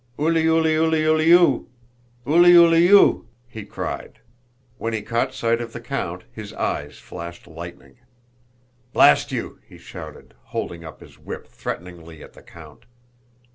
"Ulyulyulyu! ulyulyu!..." he cried. When he caught sight of the count his eyes flashed lightning. "Blast you!" he shouted, holding up his whip threateningly at the count.